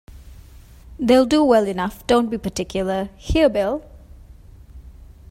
They’ll do well enough; don’t be particular—Here, Bill!